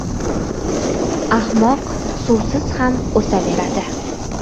• Ahmoq suvsiz ham o‘saveradi.